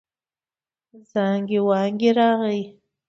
زانګې وانګې راغی.